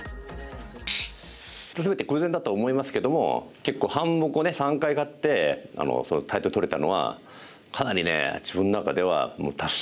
全て偶然だと思いますけども結構半目を３回勝ってタイトル取れたのはかなりね自分の中では達成感ありましたね。